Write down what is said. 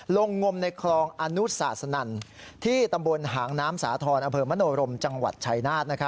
งมในคลองอนุสาสนันที่ตำบลหางน้ำสาธรณ์อำเภอมโนรมจังหวัดชายนาฏ